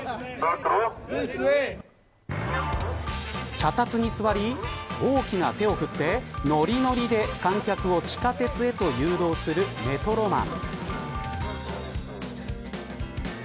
脚立に座り大きな手を振ってノリノリで観客を地下鉄へと誘導するメトロマン。